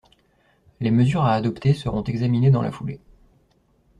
Les mesures à adopter seront examinées dans la foulée.